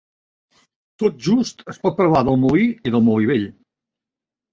Tot just es pot parlar del Molí i del Molí Vell.